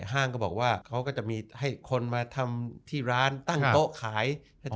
ห้างก็บอกว่าเขาก็จะมีให้คนมาทำที่ร้านตั้งโต๊ะขาย